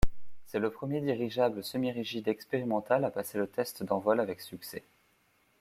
C'est le premier dirigeable semi-rigide expérimental à passer le test d'envol avec succès.